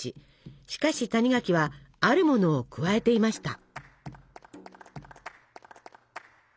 しかし谷垣はあるものを加えていました。